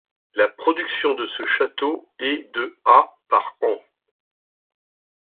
La production de ce château est de à par an.